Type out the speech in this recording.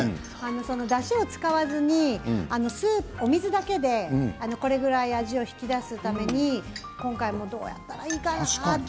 だしを使わずにお水だけでこれぐらい味を引き出すために今回もどうやったらいいかなと。